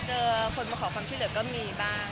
เจอคนมาขอความชื่อเสาร์ก็มีบ้าง